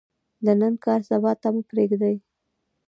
د نن کار سبا ته مه پریږدئ